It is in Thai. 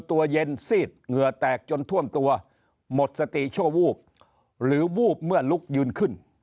ตัวเย็นซีดเหงื่อแตกจนท่วมตัวหมดสติชั่ววูบหรือวูบเมื่อลุกยืนขึ้น